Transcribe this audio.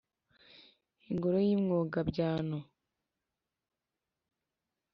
Ingoro y‘mwogabyano